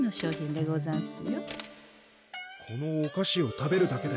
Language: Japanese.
このお菓子を食べるだけで。